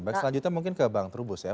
baik selanjutnya mungkin ke bang trubus ya